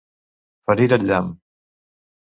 Ferir el llamp.